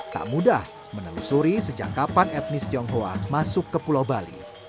tak mudah menelusuri sejak kapan etnis tionghoa masuk ke pulau bali